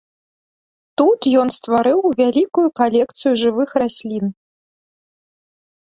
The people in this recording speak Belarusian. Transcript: Тут ён стварыў вялікую калекцыю жывых раслін.